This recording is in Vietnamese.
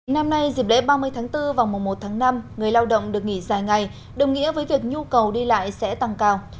năm nay dịp lễ ba mươi tháng bốn vào mùa một tháng năm người lao động được nghỉ dài ngày đồng nghĩa với việc nhu cầu đi lại sẽ tăng cao